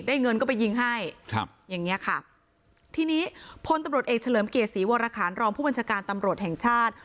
เงินก็ไปยิงให้ครับอย่างเงี้ยค่ะทีนี้พลตำรวจเอกเฉลิมเกียรติศรีวรคารรองผู้บัญชาการตำรวจแห่งชาติ